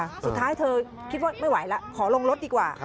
สุดท้ายเธอคิดว่าไม่ไหวแล้วขอลงรถดีกว่า